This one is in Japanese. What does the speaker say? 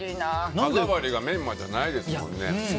歯触りがメンマじゃないですもんね。